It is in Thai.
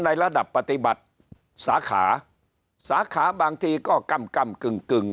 ในระดับปฏิบัติสาขาสาขาบางทีก็กำกึ่งกึ่ง